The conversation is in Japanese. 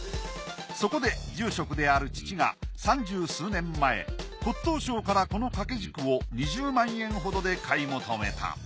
そこで住職である父が三十数年前骨董商からこの掛軸を２０万円ほどで買い求めた。